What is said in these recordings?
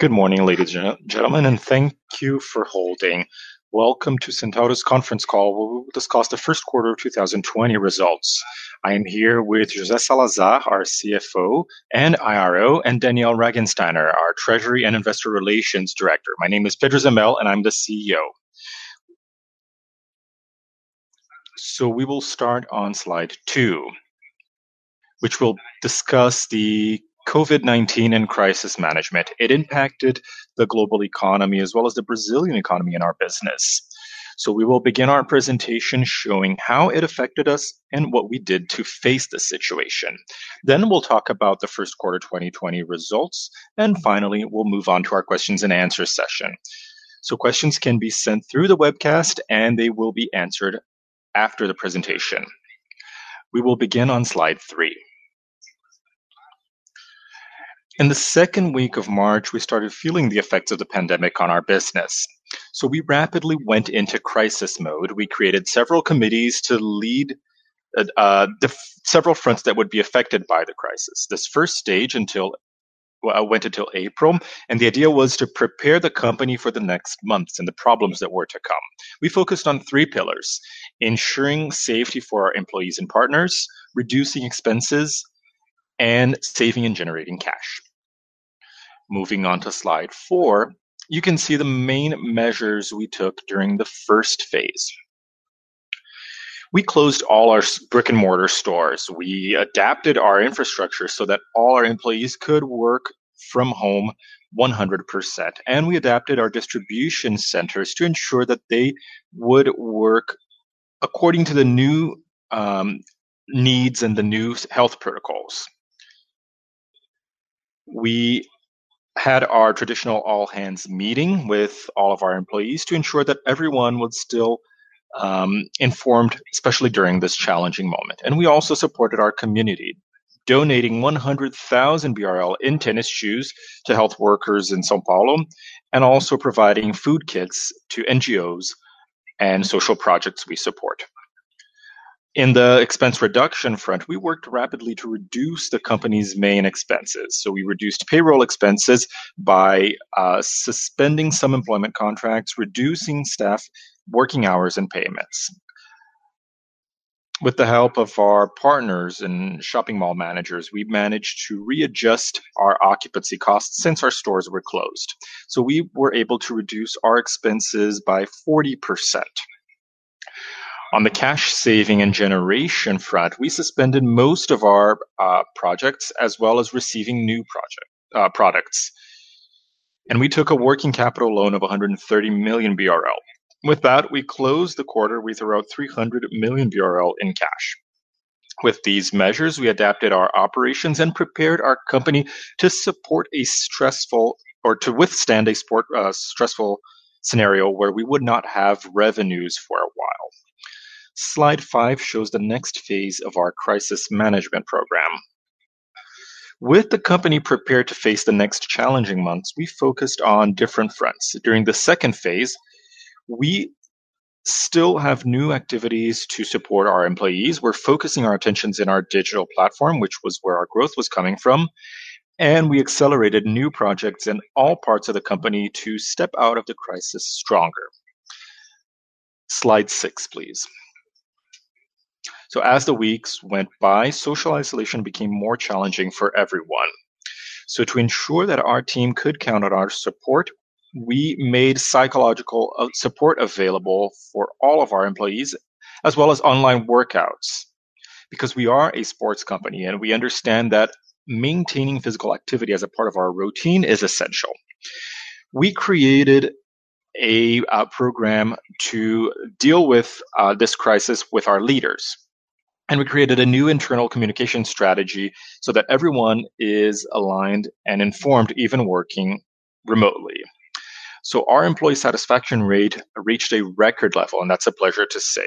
Good morning, ladies and gentlemen, and thank you for holding. Welcome to Centauro's conference call where we will discuss the first quarter of 2020 results. I am here with José Salazar, our CFO and IRO, and Daniel Regensteiner, our Treasury and Investor Relations Director. My name is Pedro Zemel and I'm the CEO. We will start on slide two, which will discuss the COVID-19 and crisis management. It impacted the global economy as well as the Brazilian economy and our business. We will begin our presentation showing how it affected us and what we did to face the situation. We'll talk about the first quarter 2020 results, and finally, we'll move on to our questions and answer session. Questions can be sent through the webcast and they will be answered after the presentation. We will begin on slide three. In the second week of March, we started feeling the effects of the pandemic on our business. We rapidly went into crisis mode. We created several committees to lead several fronts that would be affected by the crisis. This first stage went until April, and the idea was to prepare the company for the next months and the problems that were to come. We focused on three pillars: ensuring safety for our employees and partners, reducing expenses, and saving and generating cash. Moving on to slide four. You can see the main measures we took during the first phase. We closed all our brick-and-mortar stores. We adapted our infrastructure so that all our employees could work from home 100%, and we adapted our distribution centers to ensure that they would work according to the new needs and the new health protocols. We had our traditional all-hands meeting with all of our employees to ensure that everyone was still informed, especially during this challenging moment. We also supported our community, donating 100,000 BRL in tennis shoes to health workers in São Paulo, and also providing food kits to NGOs and social projects we support. In the expense reduction front, we worked rapidly to reduce the company's main expenses. We reduced payroll expenses by suspending some employment contracts, reducing staff working hours and payments. With the help of our partners and shopping mall managers, we managed to readjust our occupancy costs since our stores were closed. We were able to reduce our expenses by 40%. On the cash saving and generation front, we suspended most of our projects as well as receiving new products. We took a working capital loan of 130 million BRL. With that, we closed the quarter with around 300 million BRL in cash. With these measures, we adapted our operations and prepared our company to withstand a stressful scenario where we would not have revenues for a while. Slide five shows the next phase of our crisis management program. With the company prepared to face the next challenging months, we focused on different fronts. During the second phase, we still have new activities to support our employees. We're focusing our attentions in our digital platform, which was where our growth was coming from, and we accelerated new projects in all parts of the company to step out of the crisis stronger. Slide six, please. As the weeks went by, social isolation became more challenging for everyone. To ensure that our team could count on our support, we made psychological support available for all of our employees, as well as online workouts because we are a sports company, and we understand that maintaining physical activity as a part of our routine is essential. We created a program to deal with this crisis with our leaders, and we created a new internal communication strategy so that everyone is aligned and informed, even working remotely. Our employee satisfaction rate reached a record level, and that's a pleasure to say.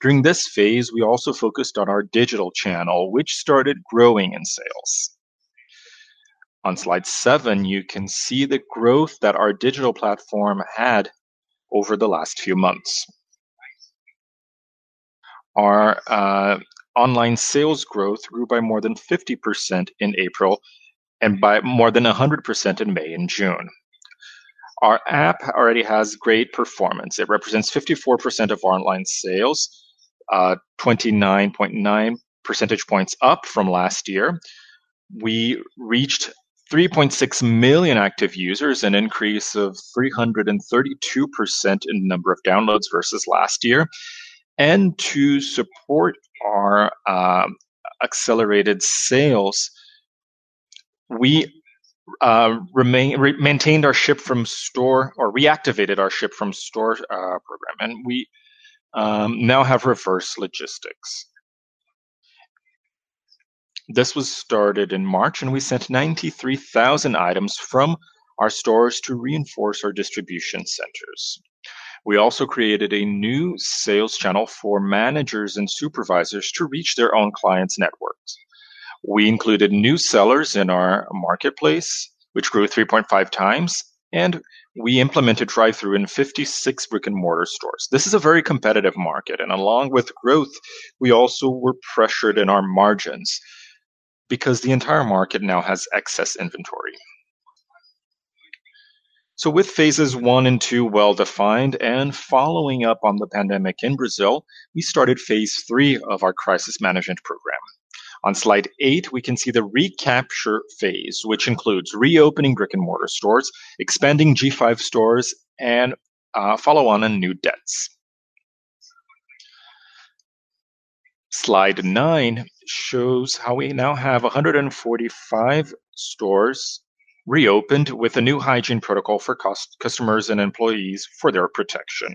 During this phase, we also focused on our digital channel, which started growing in sales. On slide seven, you can see the growth that our digital platform had over the last few months. Our online sales growth grew by more than 50% in April and by more than 100% in May and June. Our app already has great performance. It represents 54% of our online sales, 29.9 percentage points up from last year. We reached 3.6 million active users, an increase of 332% in number of downloads versus last year. To support our accelerated sales, we reactivated our ship-from-store program, and we now have reverse logistics. This was started in March, we sent 93,000 items from our stores to reinforce our distribution centers. We also created a new sales channel for managers and supervisors to reach their own clients' networks. We included new sellers in our marketplace, which grew 3.5 times, and we implemented drive-thru in 56 brick-and-mortar stores. This is a very competitive market, and along with growth, we also were pressured in our margins because the entire market now has excess inventory. With phases one and two well-defined and following up on the pandemic in Brazil, we started phase three of our crisis management program. On slide eight, we can see the recapture phase, which includes reopening brick-and-mortar stores, expanding G5 stores, and follow-on and new debts. Slide nine shows how we now have 145 stores reopened with a new hygiene protocol for customers and employees for their protection.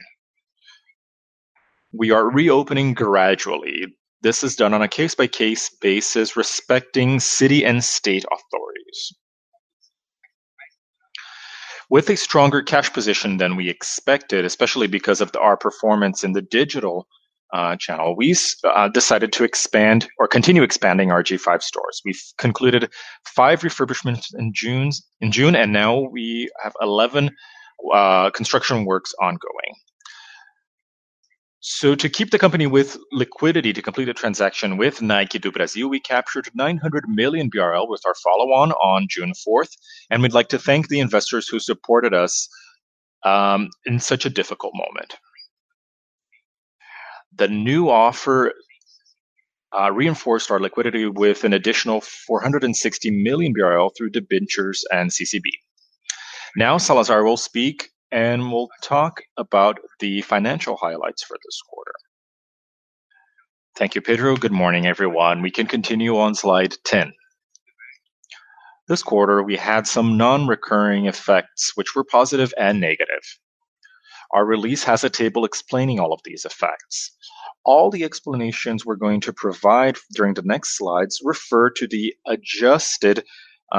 We are reopening gradually. This is done on a case-by-case basis, respecting city and state authorities. With a stronger cash position than we expected, especially because of our performance in the digital channel, we decided to expand or continue expanding our G5 stores. We've concluded five refurbishments in June, and now we have 11 construction works ongoing. To keep the company with liquidity to complete a transaction with NIKE do Brasil, we captured 900 million BRL with our follow-on on June 4th, and we'd like to thank the investors who supported us in such a difficult moment. The new offer reinforced our liquidity with an additional 460 million BRL through debentures and CCB. Salazar will speak, and will talk about the financial highlights for this quarter. Thank you, Pedro. Good morning, everyone. We can continue on slide 10. This quarter, we had some non-recurring effects, which were positive and negative. Our release has a table explaining all of these effects. All the explanations we're going to provide during the next slides refer to the adjusted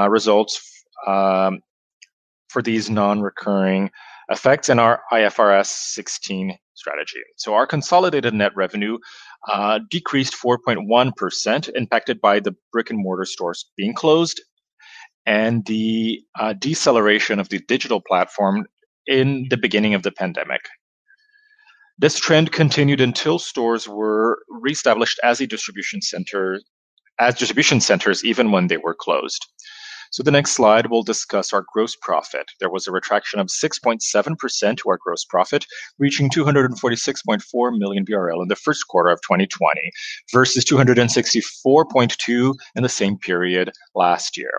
results for these non-recurring effects in our IFRS 16 strategy. Our consolidated net revenue decreased 4.1%, impacted by the brick-and-mortar stores being closed and the deceleration of the digital platform in the beginning of the COVID-19. This trend continued until stores were reestablished as distribution centers even when they were closed. The next slide, we'll discuss our gross profit. There was a retraction of 6.7% to our gross profit, reaching 246.4 million BRL in Q1 2020 versus 264.2 million in the same period last year.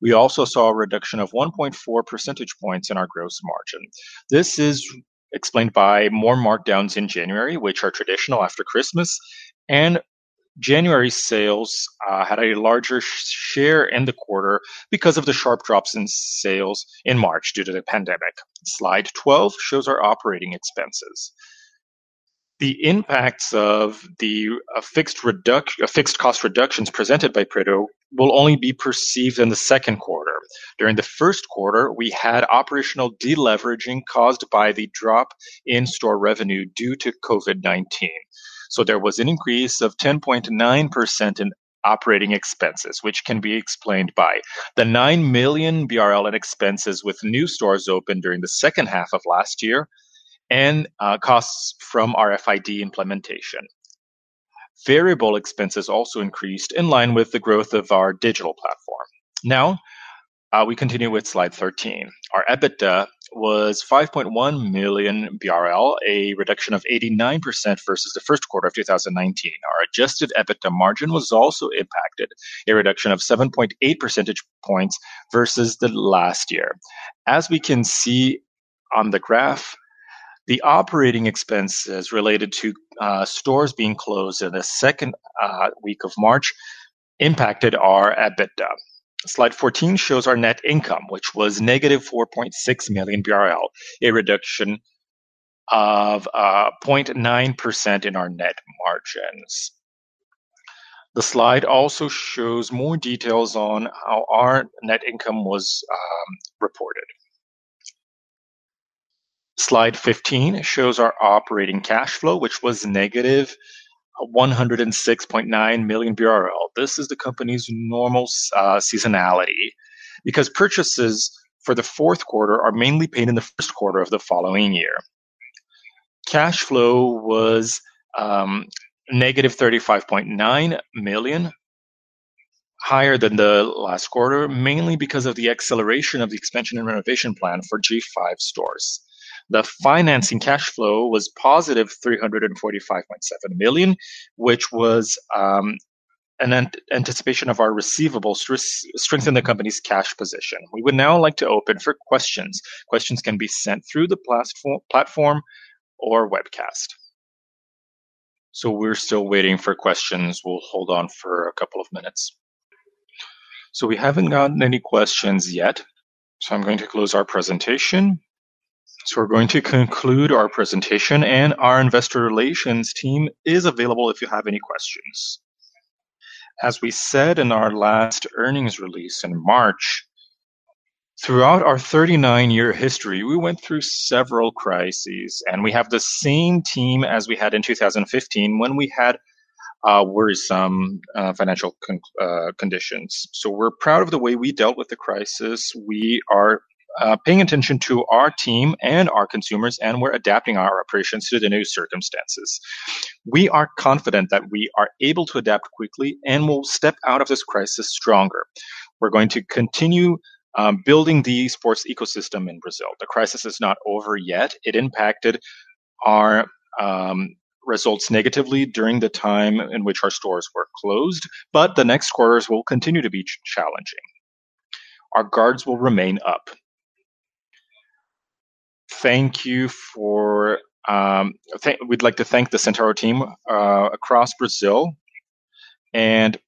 We also saw a reduction of 1.4 percentage points in our gross margin. This is explained by more markdowns in January, which are traditional after Christmas, and January sales had a larger share in the quarter because of the sharp drops in sales in March due to the COVID-19. Slide 12 shows our operating expenses. The impacts of the fixed cost reductions presented by Pedro will only be perceived in the second quarter. During the first quarter, we had operational de-leveraging caused by the drop in store revenue due to COVID-19. There was an increase of 10.9% in operating expenses, which can be explained by the 9 million BRL in expenses with new stores opened during the second half of last year and costs from our RFID implementation. Variable expenses also increased in line with the growth of our digital platform. We continue with slide 13. Our EBITDA was 5.1 million BRL, a reduction of 89% versus the first quarter of 2019. Our adjusted EBITDA margin was also impacted, a reduction of 7.8 percentage points versus the last year. As we can see on the graph, the operating expenses related to stores being closed in the second week of March impacted our EBITDA. Slide 14 shows our net income, which was negative 4.6 million BRL, a reduction of 0.9% in our net margins. The slide also shows more details on how our net income was reported. Slide 15 shows our operating cash flow, which was negative 106.9 million BRL. This is the company's normal seasonality because purchases for the fourth quarter are mainly paid in the first quarter of the following year. Cash flow was negative 35.9 million, higher than the last quarter, mainly because of the acceleration of the expansion and renovation plan for G5 stores. The financing cash flow was positive 345.7 million, which was an anticipation of our receivables to strengthen the company's cash position. We would now like to open for questions. Questions can be sent through the platform or webcast. We're still waiting for questions. We'll hold on for a couple of minutes. We haven't gotten any questions yet, so I'm going to close our presentation. We're going to conclude our presentation, and our investor relations team is available if you have any questions. As we said in our last earnings release in March, throughout our 39-year history, we went through several crises, and we have the same team as we had in 2015 when we had worrisome financial conditions. We're proud of the way we dealt with the crisis. We are paying attention to our team and our consumers, and we're adapting our operations to the new circumstances. We are confident that we are able to adapt quickly and will step out of this crisis stronger. We're going to continue building the sports ecosystem in Brazil. The crisis is not over yet. It impacted our results negatively during the time in which our stores were closed, but the next quarters will continue to be challenging. Our guards will remain up.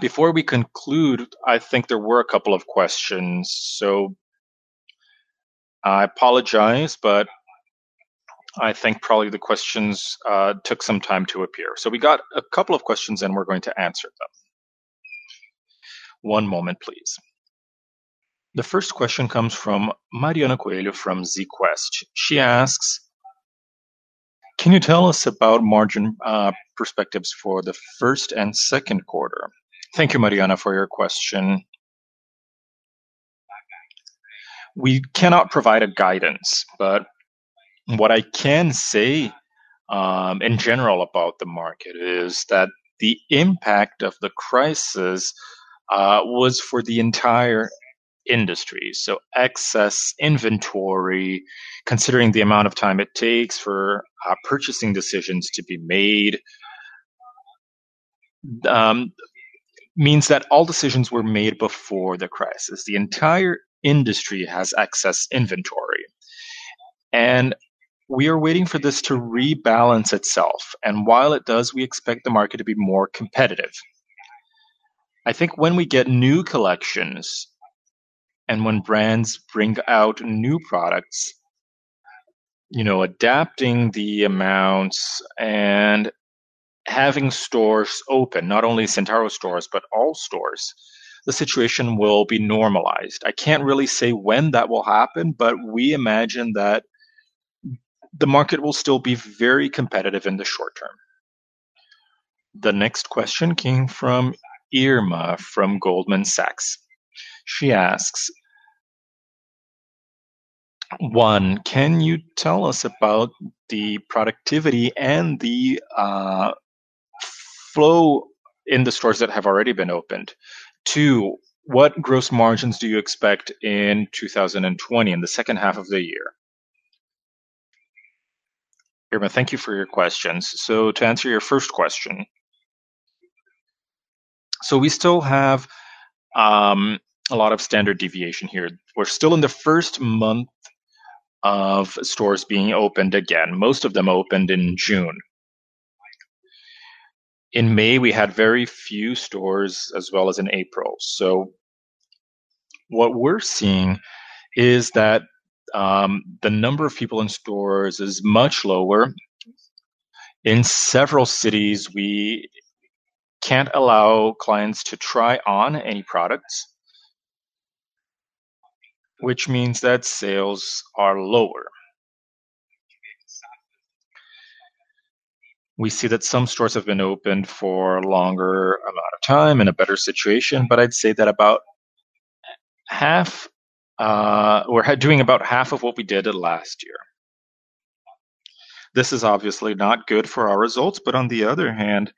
Before we conclude, I think there were a couple of questions. I apologize, but I think probably the questions took some time to appear. We got a couple of questions, and we're going to answer them. One moment, please. The first question comes from Mariana Coelho from AZ Quest. She asks, "Can you tell us about margin perspectives for the first and second quarter?" Thank you, Mariana, for your question. We cannot provide a guidance, but what I can say in general about the market is that the impact of the crisis was for the entire industry. Excess inventory, considering the amount of time it takes for purchasing decisions to be made, means that all decisions were made before the crisis. The entire industry has excess inventory, and we are waiting for this to rebalance itself. While it does, we expect the market to be more competitive. I think when we get new collections and when brands bring out new products, adapting the amounts and having stores open, not only Centauro stores, but all stores, the situation will be normalized. I can't really say when that will happen, but we imagine that the market will still be very competitive in the short term. The next question came from Irma from Goldman Sachs. She asks, "One, can you tell us about the productivity and the flow in the stores that have already been opened? Two, what gross margins do you expect in 2020 in the second half of the year? Irma, thank you for your questions. To answer your first question, so we still have a lot of standard deviation here. We're still in the first month of stores being opened again. Most of them opened in June. In May, we had very few stores, as well as in April. What we're seeing is that the number of people in stores is much lower. In several cities, we can't allow clients to try on any products, which means that sales are lower. We see that some stores have been opened for longer, a lot of time, in a better situation. I'd say that about half, or doing about half of what we did last year. This is obviously not good for our results. On the other hand,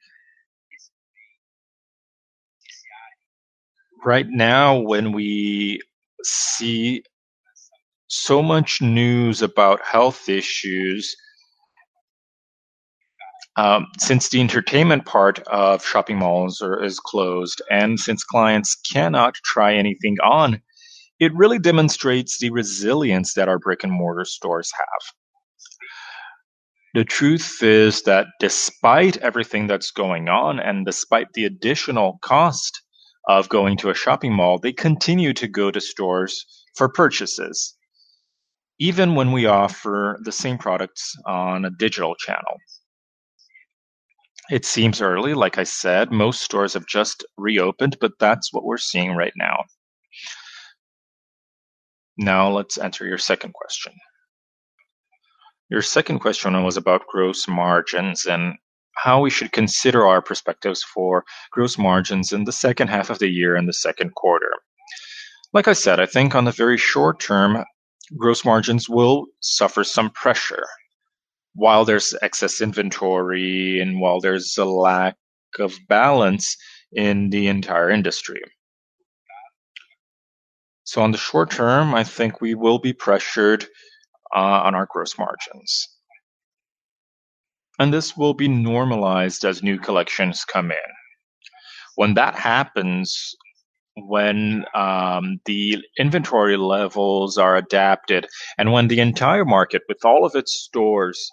right now, when we see so much news about health issues, since the entertainment part of shopping malls is closed and since clients cannot try anything on, it really demonstrates the resilience that our brick-and-mortar stores have. The truth is that despite everything that's going on and despite the additional cost of going to a shopping mall, they continue to go to stores for purchases, even when we offer the same products on a digital channel. It seems early, like I said. Most stores have just reopened, that's what we're seeing right now. Let's answer your second question. Your second question was about gross margins and how we should consider our perspectives for gross margins in the second half of the year and the second quarter. Like I said, I think on the very short term, gross margins will suffer some pressure while there's excess inventory and while there's a lack of balance in the entire industry. On the short term, I think we will be pressured on our gross margins, and this will be normalized as new collections come in. When that happens, when the inventory levels are adapted, and when the entire market with all of its stores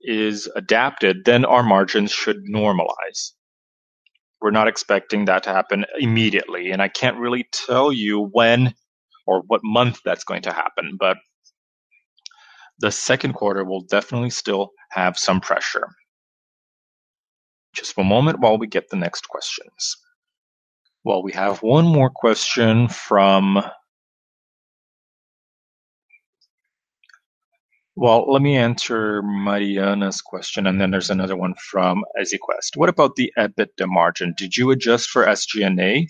is adapted, our margins should normalize. We're not expecting that to happen immediately, and I can't really tell you when or what month that's going to happen. The second quarter will definitely still have some pressure. Just one moment while we get the next questions. Well, we have one more question. Well, let me answer Mariana's question, there's another one from AZ Quest. What about the EBITDA margin? Did you adjust for SG&A?"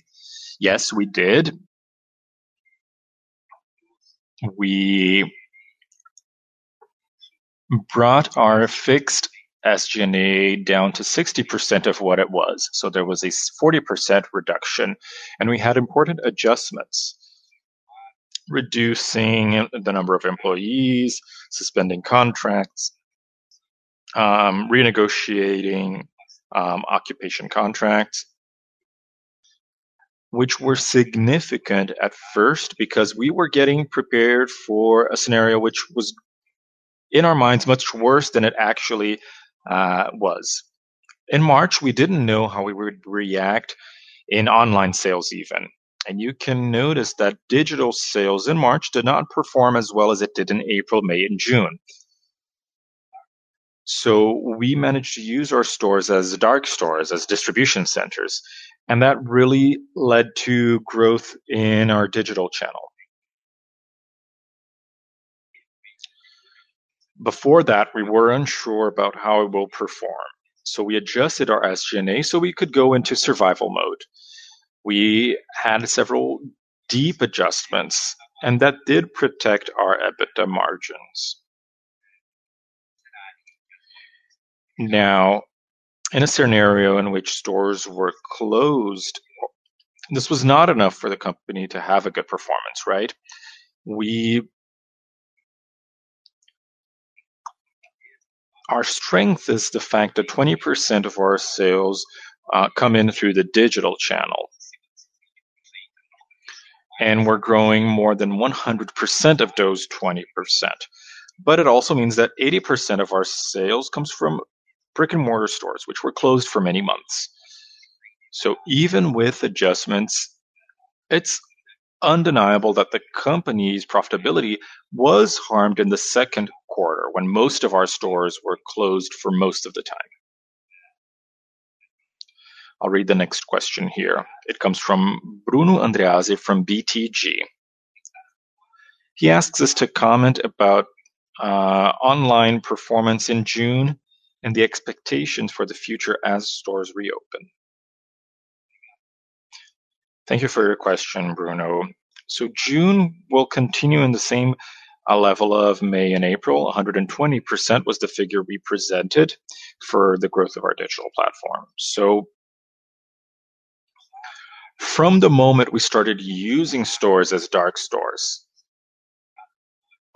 Yes, we did. We brought our fixed SG&A down to 60% of what it was. There was a 40% reduction, and we had important adjustments, reducing the number of employees, suspending contracts, renegotiating occupation contracts, which were significant at first because we were getting prepared for a scenario which was, in our minds, much worse than it actually was. In March, we didn't know how we would react in online sales even. You can notice that digital sales in March did not perform as well as it did in April, May, and June. We managed to use our stores as dark stores, as distribution centers, and that really led to growth in our digital channel. Before that, we were unsure about how it will perform, so we adjusted our SG&A so we could go into survival mode. We had several deep adjustments, and that did protect our EBITDA margins. In a scenario in which stores were closed, this was not enough for the company to have a good performance, right? Our strength is the fact that 20% of our sales come in through the digital channel, and we're growing more than 100% of those 20%. It also means that 80% of our sales comes from brick-and-mortar stores, which were closed for many months. Even with adjustments, it's undeniable that the company's profitability was harmed in the second quarter when most of our stores were closed for most of the time. I'll read the next question here. It comes from Bruno Andreazza from BTG. He asks us to comment about online performance in June and the expectations for the future as stores reopen. Thank you for your question, Bruno. June will continue in the same level of May and April. 120% was the figure we presented for the growth of our digital platform. From the moment we started using stores as dark stores,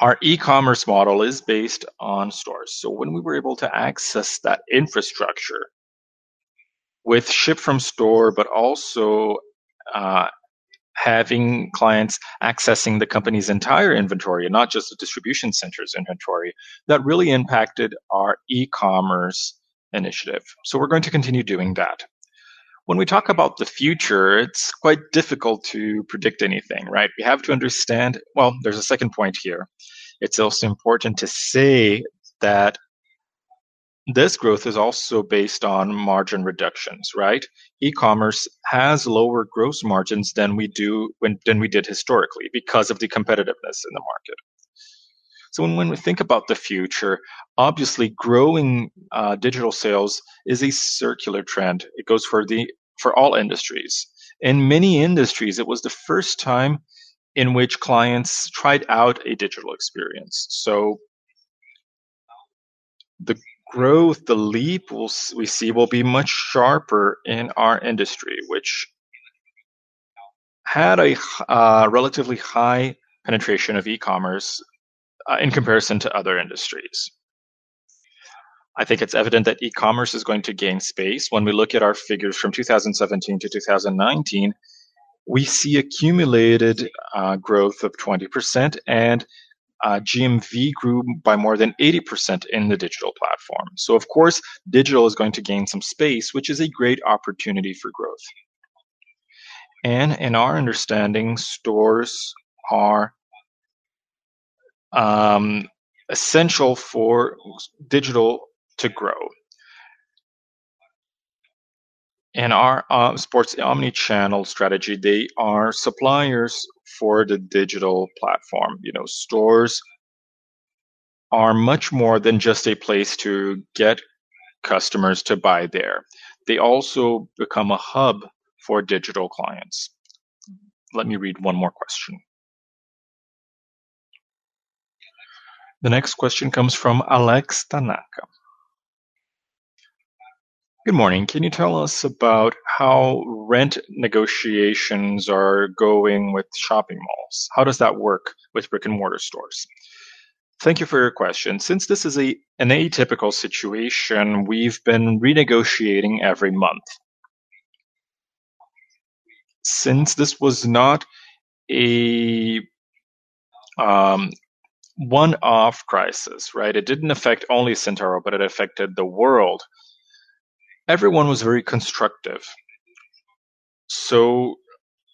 our e-commerce model is based on stores. When we were able to access that infrastructure with ship-from-store, but also having clients accessing the company's entire inventory and not just the distribution center's inventory, that really impacted our e-commerce initiative. We're going to continue doing that. When we talk about the future, it's quite difficult to predict anything, right? We have to understand. Well, there's a second point here. It's also important to say that this growth is also based on margin reductions, right? E-commerce has lower gross margins than we did historically because of the competitiveness in the market. When we think about the future, obviously growing digital sales is a circular trend. It goes for all industries. In many industries, it was the first time in which clients tried out a digital experience. The growth, the leap we see will be much sharper in our industry, which had a relatively high penetration of e-commerce in comparison to other industries. I think it's evident that e-commerce is going to gain space. When we look at our figures from 2017 to 2019, we see accumulated growth of 20%, and GMV grew by more than 80% in the digital platform. Of course, digital is going to gain some space, which is a great opportunity for growth. In our understanding, stores are essential for digital to grow. In our sports omnichannel strategy, they are suppliers for the digital platform. Stores are much more than just a place to get customers to buy there. They also become a hub for digital clients. Let me read one more question. The next question comes from Alex Tanaka. Good morning. Can you tell us about how rent negotiations are going with shopping malls? How does that work with brick-and-mortar stores? Thank you for your question. Since this is an atypical situation, we've been renegotiating every month. Since this was not a one-off crisis, right, it didn't affect only Centauro, but it affected the world, everyone was very constructive.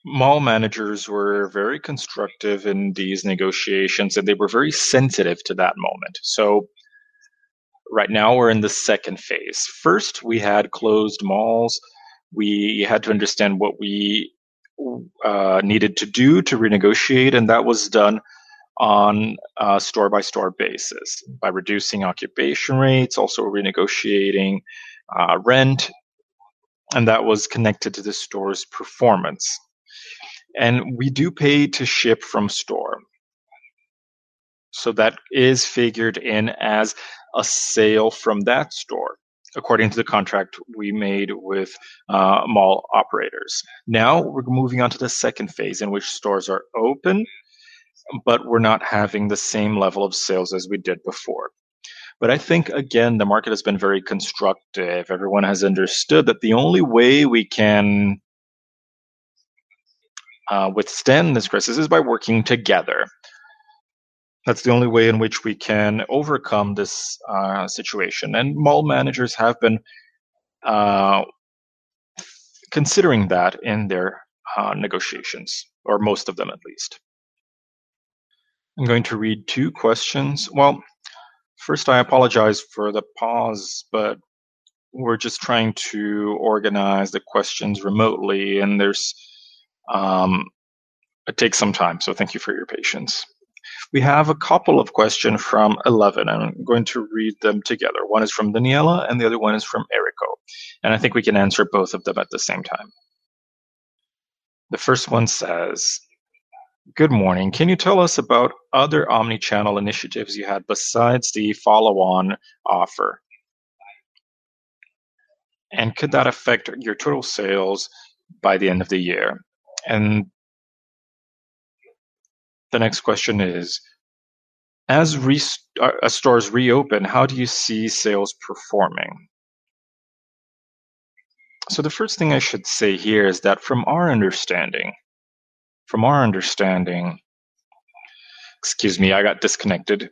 Mall managers were very constructive in these negotiations, and they were very sensitive to that moment. Right now, we're in the second phase. First, we had closed malls. We had to understand what we needed to do to renegotiate, that was done on a store-by-store basis by reducing occupation rates, also renegotiating rent. That was connected to the store's performance. We do pay to ship-from-store. That is figured in as a sale from that store according to the contract we made with mall operators. Now we're moving on to the phase 2 in which stores are open, but we're not having the same level of sales as we did before. I think, again, the market has been very constructive. Everyone has understood that the only way we can withstand this crisis is by working together. That's the only way in which we can overcome this situation. Mall managers have been considering that in their negotiations, or most of them at least. I'm going to read two questions. Well, first I apologize for the pause, but we're just trying to organize the questions remotely, and it takes some time, so thank you for your patience. We have a couple of questions from Eleven, and I'm going to read them together. One is from Daniela and the other one is from Erico, and I think we can answer both of them at the same time. The first one says, "Good morning. Can you tell us about other omnichannel initiatives you had besides the follow-on offer? Could that affect your total sales by the end of the year?" The next question is, "As stores reopen, how do you see sales performing?" The first thing I should say here is that from our understanding. Excuse me, I got disconnected.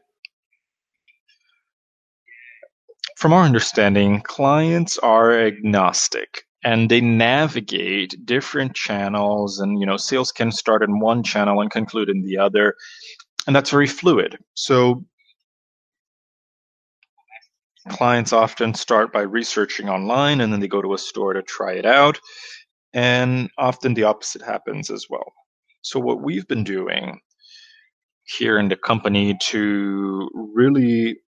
From our understanding, clients are agnostic, and they navigate different channels, and sales can start in one channel and conclude in the other, and that's very fluid. Clients often start by researching online, and then they go to a store to try it out, and often the opposite happens as well. What we've been doing here in the company to really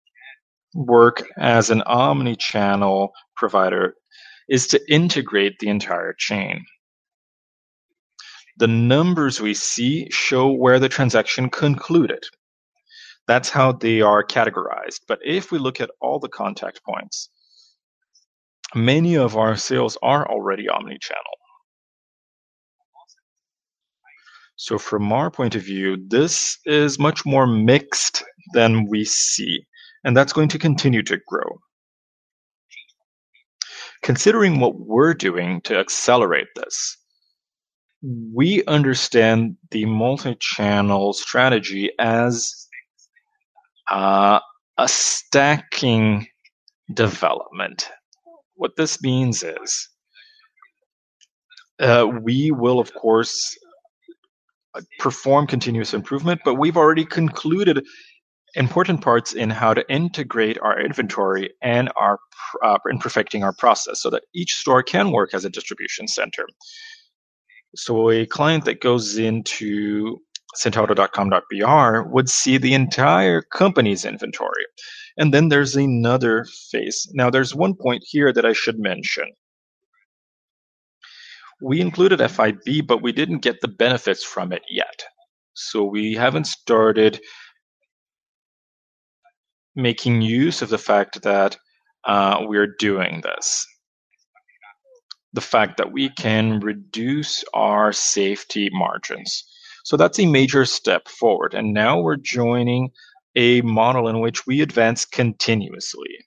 work as an omnichannel provider is to integrate the entire chain. The numbers we see show where the transaction concluded. That's how they are categorized. If we look at all the contact points, many of our sales are already omnichannel. From our point of view, this is much more mixed than we see, and that's going to continue to grow. Considering what we're doing to accelerate this, we understand the multichannel strategy as a stacking development. What this means is, we will of course perform continuous improvement, but we've already concluded important parts in how to integrate our inventory and perfecting our process so that each store can work as a distribution center. A client that goes into centauro.com.br would see the entire company's inventory. There's another phase. There's one point here that I should mention. We included FIB, but we didn't get the benefits from it yet. We haven't started making use of the fact that we're doing this, the fact that we can reduce our safety margins. That's a major step forward. We're joining a model in which we advance continuously.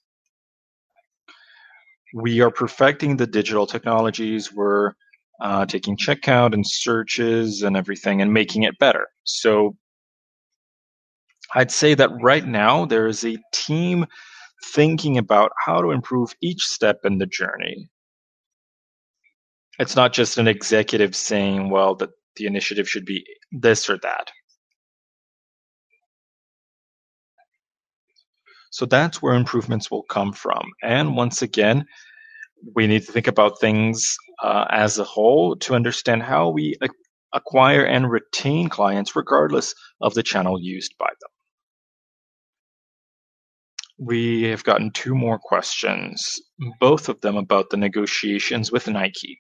We are perfecting the digital technologies. We're taking checkout and searches and everything and making it better. I'd say that right now there is a team thinking about how to improve each step in the journey. It's not just an executive saying, "Well, the initiative should be this or that." That's where improvements will come from. Once again, we need to think about things as a whole to understand how we acquire and retain clients regardless of the channel used by them. We have gotten two more questions, both of them about the negotiations with Nike.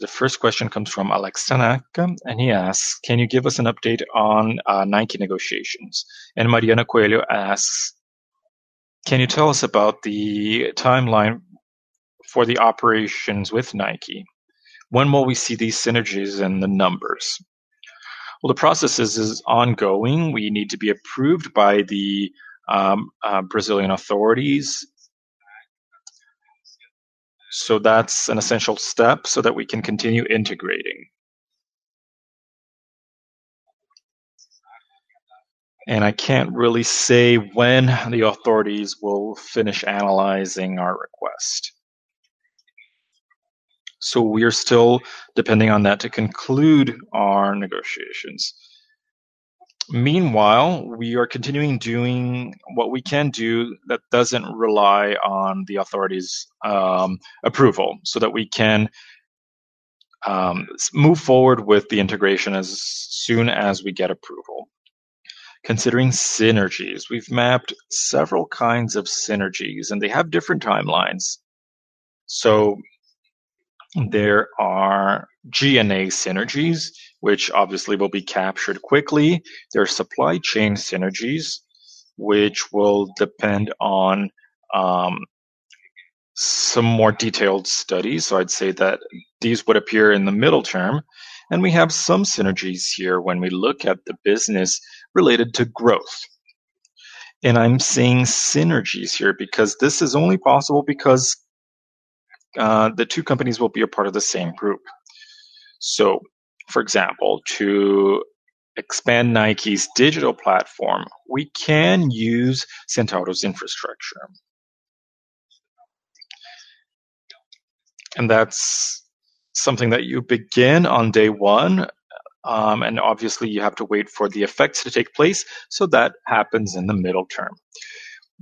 The first question comes from Alex Tanaka, and he asks, "Can you give us an update on Nike negotiations?" Mariana Coelho asks, "Can you tell us about the timeline for the operations with Nike? When will we see these synergies in the numbers?" Well, the process is ongoing. We need to be approved by the Brazilian authorities. That's an essential step so that we can continue integrating. I can't really say when the authorities will finish analyzing our request. We are still depending on that to conclude our negotiations. Meanwhile, we are continuing doing what we can do that doesn't rely on the authorities' approval so that we can move forward with the integration as soon as we get approval. Considering synergies, we've mapped several kinds of synergies, and they have different timelines. There are G&A synergies, which obviously will be captured quickly. There are supply chain synergies, which will depend on some more detailed studies. I'd say that these would appear in the middle term, and we have some synergies here when we look at the business related to growth. I'm seeing synergies here because this is only possible because the two companies will be a part of the same group. For example, to expand Nike's digital platform, we can use Centauro's infrastructure. That's something that you begin on day one, and obviously you have to wait for the effects to take place, so that happens in the middle term.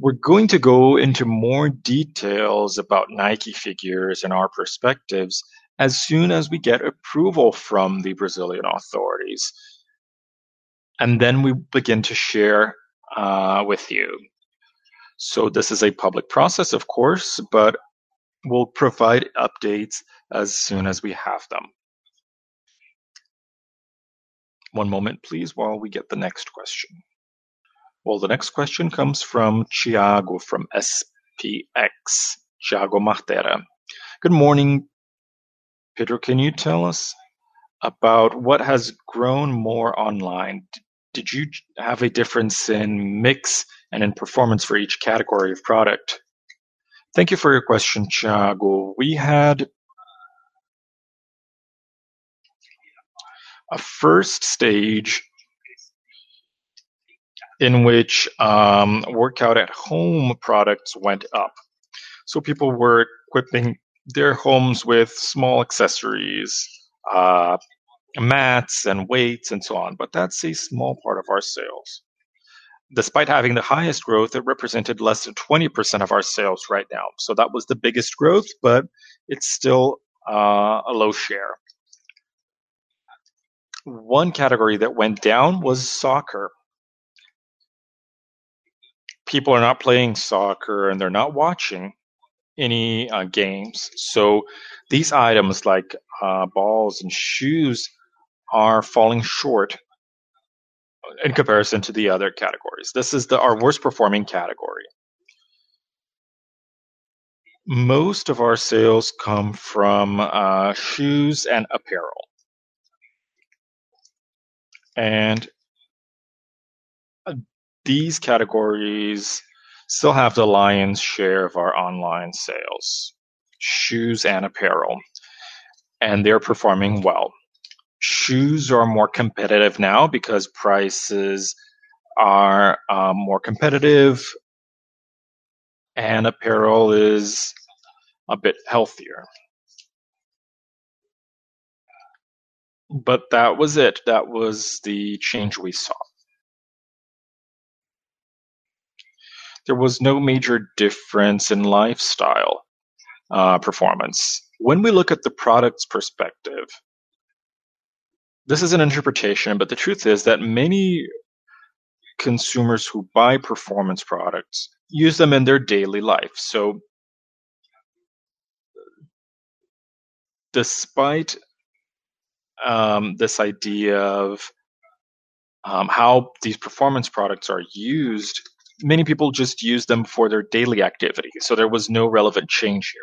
We're going to go into more details about Nike figures and our perspectives as soon as we get approval from the Brazilian authorities, and then we begin to share with you. This is a public process, of course, but we'll provide updates as soon as we have them. One moment please, while we get the next question. Well, the next question comes from Thiago from SPX, Thiago Matera. "Good morning, Pedro. Can you tell us about what has grown more online? Did you have a difference in mix and in performance for each category of product?" Thank you for your question, Thiago. We had a first stage in which workout at home products went up. People were equipping their homes with small accessories, mats, and weights and so on. That's a small part of our sales. Despite having the highest growth, it represented less than 20% of our sales right now. That was the biggest growth, but it's still a low share. One category that went down was soccer. People are not playing soccer, and they're not watching any games, so these items like balls and shoes are falling short in comparison to the other categories. This is our worst-performing category. Most of our sales come from shoes and apparel, and these categories still have the lion's share of our online sales, shoes and apparel, and they're performing well. Shoes are more competitive now because prices are more competitive, and apparel is a bit healthier. That was it. That was the change we saw. There was no major difference in lifestyle performance. When we look at the product perspective, this is an interpretation, but the truth is that many consumers who buy performance products use them in their daily life. Despite this idea of how these performance products are used, many people just use them for their daily activity, so there was no relevant change here.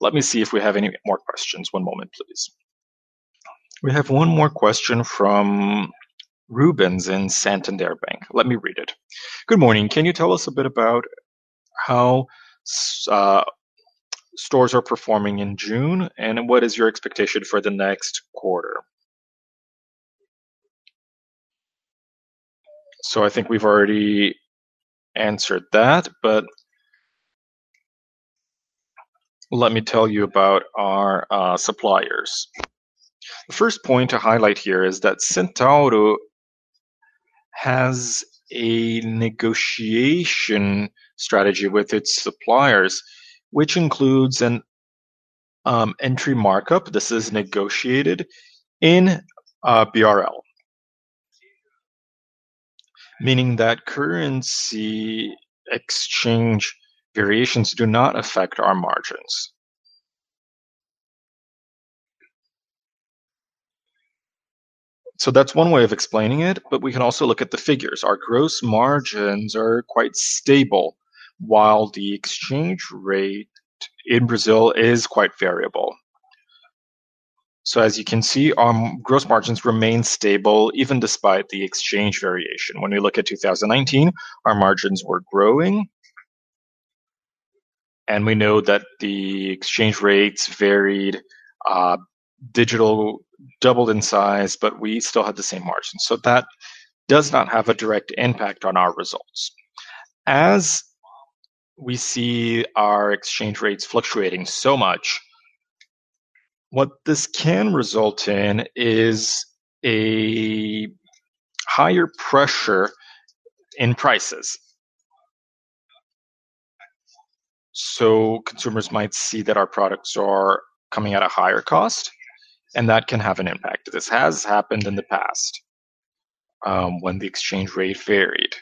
Let me see if we have any more questions. One moment, please. We have one more question from Rubens in Banco Santander. Let me read it. "Good morning. Can you tell us a bit about how stores are performing in June, and what is your expectation for the next quarter?" I think we've already answered that, but let me tell you about our suppliers. The first point to highlight here is that Centauro has a negotiation strategy with its suppliers, which includes an entry markup. This is negotiated in BRL, meaning that currency exchange variations do not affect our margins. That's one way of explaining it, but we can also look at the figures. Our gross margins are quite stable while the exchange rate in Brazil is quite variable. As you can see, our gross margins remain stable even despite the exchange variation. When we look at 2019, our margins were growing, and we know that the exchange rates varied. Digital doubled in size, we still had the same margin. That does not have a direct impact on our results. As we see our exchange rates fluctuating so much, what this can result in is a higher pressure in prices. Consumers might see that our products are coming at a higher cost, and that can have an impact. This has happened in the past when the exchange rate varied.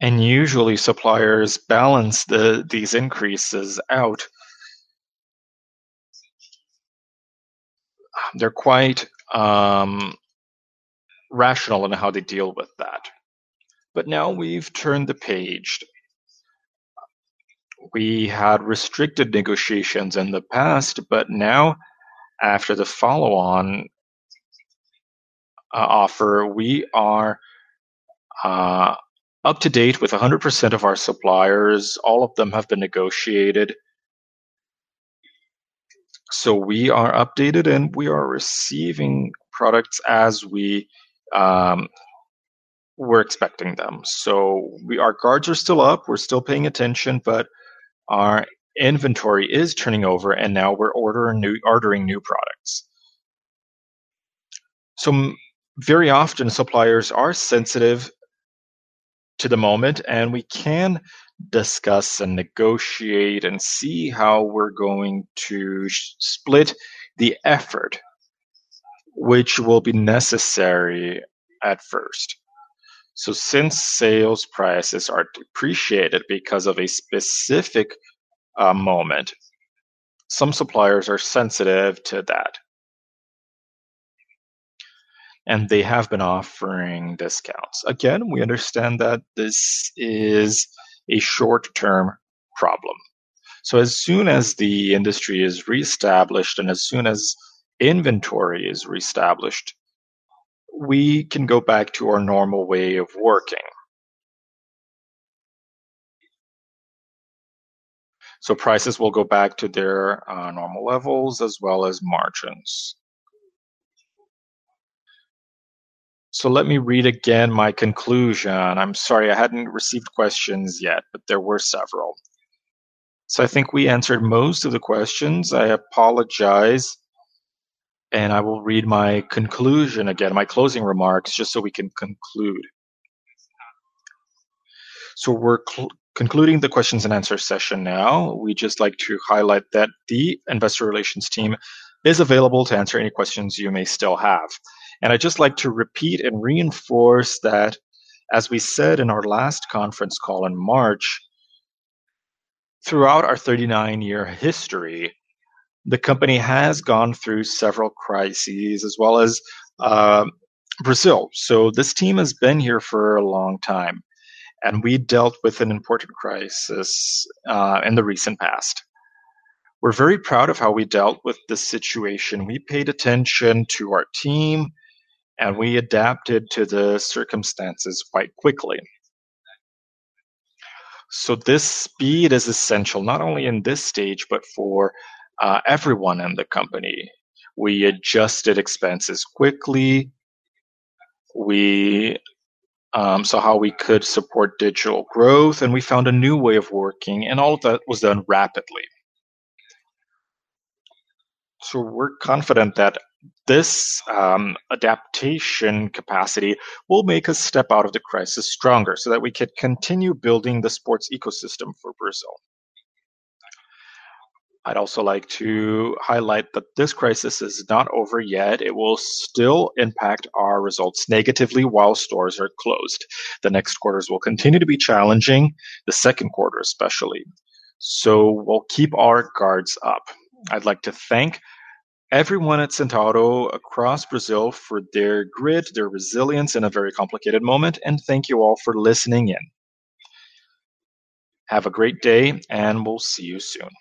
Usually suppliers balance these increases out. They're quite rational in how they deal with that. Now we've turned the page. We had restricted negotiations in the past, now after the follow-on offer, we are up to date with 100% of our suppliers. All of them have been negotiated. We are updated, and we are receiving products as we're expecting them. Our guards are still up. We're still paying attention, our inventory is turning over, and now we're ordering new products. Very often, suppliers are sensitive to the moment, and we can discuss and negotiate and see how we're going to split the effort, which will be necessary at first. Since sales prices are depreciated because of a specific moment, some suppliers are sensitive to that, and they have been offering discounts. Again, we understand that this is a short-term problem. As soon as the industry is reestablished and as soon as inventory is reestablished, we can go back to our normal way of working. Prices will go back to their normal levels as well as margins. Let me read again my conclusion. I'm sorry, I hadn't received questions yet, but there were several. I think we answered most of the questions. I apologize, and I will read my conclusion again, my closing remarks, just so we can conclude. We're concluding the questions and answer session now. We'd just like to highlight that the investor relations team is available to answer any questions you may still have. I'd just like to repeat and reinforce that, as we said in our last conference call in March, throughout our 39-year history, the company has gone through several crises as well as Brazil. This team has been here for a long time, and we dealt with an important crisis in the recent past. We're very proud of how we dealt with this situation. We paid attention to our team, and we adapted to the circumstances quite quickly. This speed is essential not only in this stage but for everyone in the company. We adjusted expenses quickly. We saw how we could support digital growth, we found a new way of working, and all of that was done rapidly. We're confident that this adaptation capacity will make us step out of the crisis stronger so that we can continue building the sports ecosystem for Brazil. I'd also like to highlight that this crisis is not over yet. It will still impact our results negatively while stores are closed. The next quarters will continue to be challenging, the second quarter especially. We'll keep our guards up. I'd like to thank everyone at Centauro across Brazil for their grit, their resilience in a very complicated moment, and thank you all for listening in. Have a great day. We'll see you soon.